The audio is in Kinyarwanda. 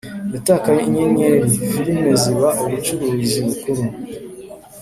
yatakaye inyenyeri: filime ziba ubucuruzi bukuru